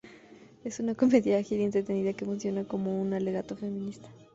Es una comedia ágil y entretenida que funciona como un alegato feminista.